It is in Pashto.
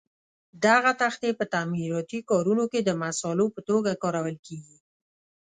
دغه تختې په تعمیراتي کارونو کې د مسالو په توګه کارول کېږي.